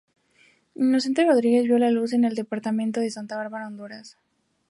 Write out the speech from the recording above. Inocente Rodríguez vio la luz en el departamento de Santa Bárbara, Honduras.